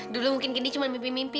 dulu mungkin gendi cuma mimpi mimpi